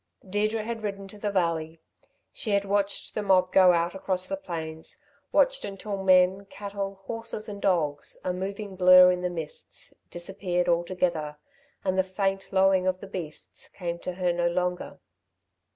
Deirdre had ridden to the valley. She had watched the mob go out across the plains, watched until men, cattle, horses and dogs, a moving blur in the mists, disappeared altogether, and the faint lowing of the beasts came to her no longer.